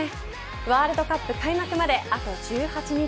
ワールドカップ開幕まであと１８日。